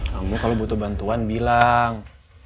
kamu kalau butuh bantuan bilang